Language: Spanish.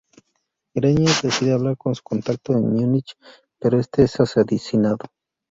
Grenier decide hablar con su contacto en Múnich, pero este es asesinado.